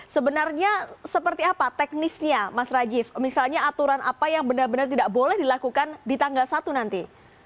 sebenarnya seperti apa teknisnya mas rajiv misalnya aturan apa yang benar benar tidak boleh dilakukan di tanggal satu nanti